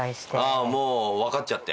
ああもう分かっちゃって。